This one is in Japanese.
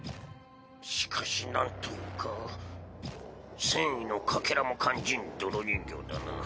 しかしなんというか戦意のかけらも感じん泥人形だな。